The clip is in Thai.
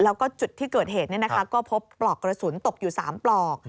แล้วก็จุดที่เกิดเหตุก็พบปลอกกระสุนตกอยู่๓ปลอก